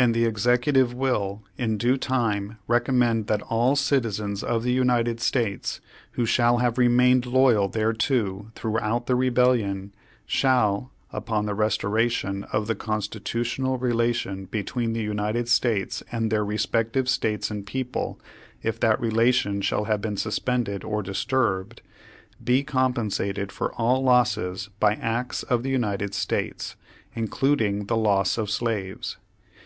"And the Executive will, in due time, recommend that all citizens of the United States, who shall have remained loyal thereto throughout the Rebellion, shall (upon the restoration of the constitutional relation between the United States and their respective States and people, if that relation shall have been suspended or disturbed) be compensated for all losses by acts of the United States, including the loss of slaves.